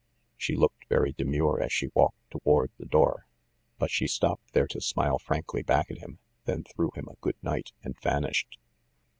She looked very demure as she walked toward the door ; but she stopped there to smile frankly back at him, then threw him a good night and vanished.